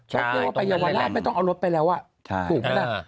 ว่าไปเยาวราชไม่ต้องเอารถไปแล้วถูกไหมแหละ